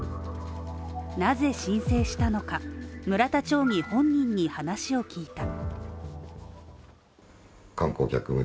なぜ申請したのか、村田町議本人に話を聞いた。